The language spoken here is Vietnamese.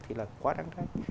thì là quá đáng trách